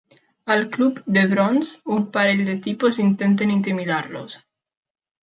Al club The Bronze, un parell de tipus intenten intimidar-los.